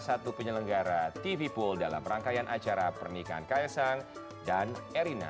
terima kasih telah menyelenggara tvpool dalam rangkaian acara pernikahan kaesang dan erina